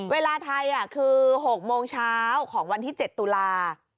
เวลาไทยคือ๖โมงเช้าของวันที่๗ตุลา